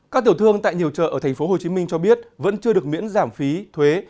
các tiểu thương tại nhiều chợ ở tp hcm cho biết vẫn chưa được miễn giảm phí thuế